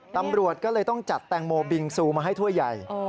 ตำรวจก็เลยต้องจัดแตงโมบิงซูมาให้ถ้วยใหญ่